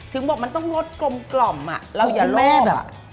บอกมันต้องรสกลมเราอย่าลบ